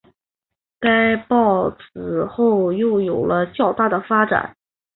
该报此后又有了较大发展。